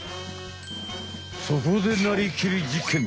そこでなりきり実験！